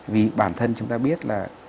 vì bản thân chúng ta biết là